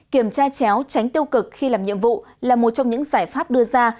kiểm tra chéo tránh tiêu cực khi làm nhiệm vụ là một trong những giải pháp đưa ra